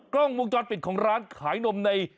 กล้องวงจรปิดของร้านขายนมใน